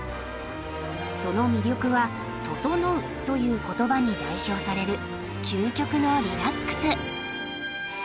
その魅力は「ととのう」という言葉に代表される究極のリラックス。